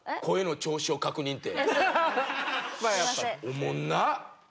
おもんな。